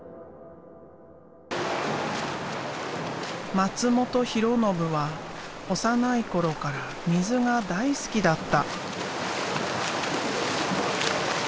松本寛庸は幼い頃から水が大好きだった。